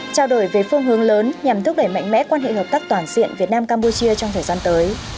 trao đổi về phương hướng lớn nhằm thúc đẩy mạnh mẽ quan hệ hợp tác toàn diện việt nam campuchia trong thời gian tới